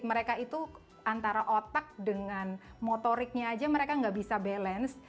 mereka itu antara otak dengan motoriknya aja mereka nggak bisa balance